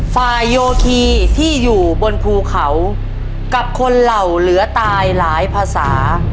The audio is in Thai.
โยคีที่อยู่บนภูเขากับคนเหล่าเหลือตายหลายภาษา